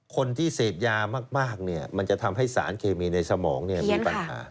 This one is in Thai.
คนที่เสพยามากมันจะทำให้สารเคมีในสมองมีปัญหา